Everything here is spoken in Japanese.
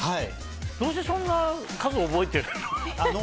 どうしてそんな数覚えてるの？